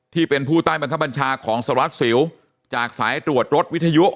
ที่เป็นผู้ใต้บังคับบัญชาของสหรัฐสิวจากสายตรวจรถวิทยุ